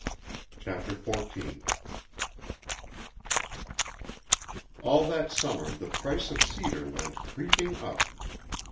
CHAPTER XIV All that summer the price of cedar went creeping up.